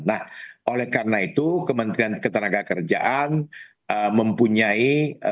nah oleh karena itu kementerian ketenagakerjaan mempunyai